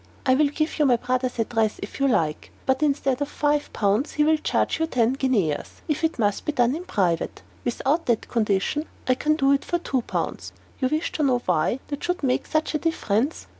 I will give you my brother's address if you like; but instead of five pounds, he will charge you ten guineas if it must be done in private. Without that condition, I can do it for two pounds. You wish to know why that should make such a difference.